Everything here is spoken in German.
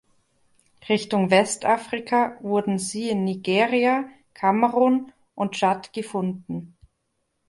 Richtung Westafrika wurden sie in Nigeria, Kamerun und Tschad gefunden.